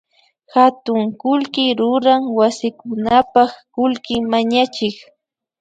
Hatun kullki ruran wasikunapak kullki mañachik